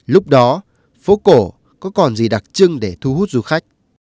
lúc đó phố cổ có còn gì đặc trưng để thu hút du khách